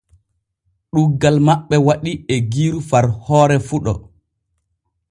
Ɗuuggal maɓɓe waɗii eggiiru far hoore fuɗo.